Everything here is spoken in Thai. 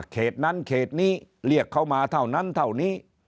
เขตนั้นเขตนี้เรียกเขามาเท่านั้นเท่านี้